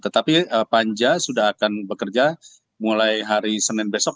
tetapi panja sudah akan bekerja mulai hari senin besok